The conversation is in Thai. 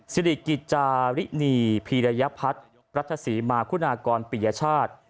สิริกิจจารินีพีรยพัฒน์รัฐศรีมาคุณากรปิยชาติ